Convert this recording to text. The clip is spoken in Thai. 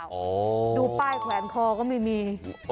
ดูป้ายแขวนคอก็ไม่มี